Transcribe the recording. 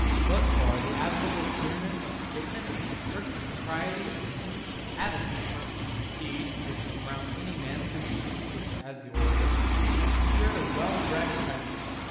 Thus far the admirable clearness of statement and perfect propriety of speech, added to the personal prestige which surrounds any man so distinguished as the orator, had secured a well bred attention.